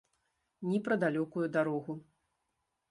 Ні пра далёкую дарогу.